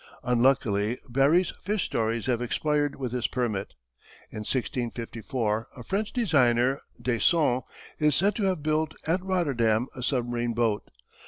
Unluckily Barrié's fish stories have expired with his permit. In 1654, a French engineer, De Son, is said to have built at Rotterdam a submarine boat.